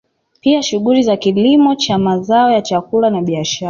Pia shughuli za kilimo cha mazao ya chakula na biashara